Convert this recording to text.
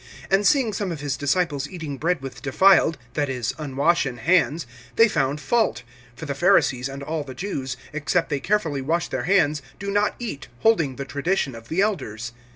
(2)And seeing some of his disciples eating bread with defiled (that is, unwashen) hands, they found fault. (3)For the Pharisees, and all the Jews, except they carefully wash their hands, do not eat, holding the tradition of the elders.